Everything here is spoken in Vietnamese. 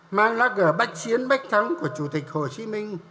mang lát gỡ bách chiến bách thắng của chủ tịch hồ chí minh